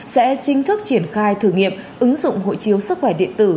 sẽ chính thức triển khai thử nghiệm ứng dụng hộ chiếu sức khỏe điện tử